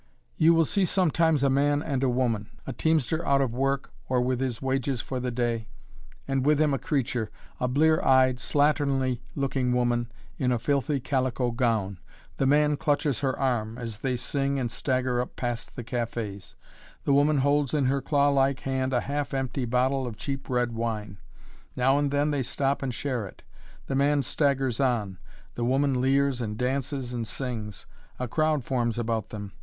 [Illustration: (portrait of woman)] You will see sometimes a man and a woman a teamster out of work or with his wages for the day, and with him a creature a blear eyed, slatternly looking woman, in a filthy calico gown. The man clutches her arm, as they sing and stagger up past the cafés. The woman holds in her claw like hand a half empty bottle of cheap red wine. Now and then they stop and share it; the man staggers on; the woman leers and dances and sings; a crowd forms about them.